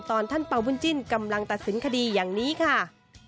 ตอนท่านเป่าบุญจิ้นกำลังตัดสินคดีอย่างนี้ค่ะ